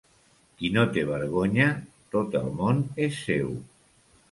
Qui no té vergonya, tot el món és seu.